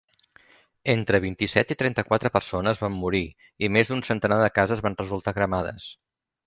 Entre vint-i-set i trenta-quatre persones van morir i més d'un centenar de cases van resultar cremades.